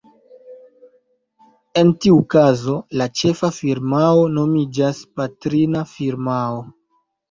En tiu kazo la ĉefa firmao nomiĝas "patrina firmao".